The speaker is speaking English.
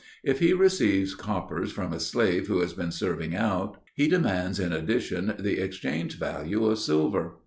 If he receives coppers from a slave who has been serving out, he demands in addition the exchange value of silver.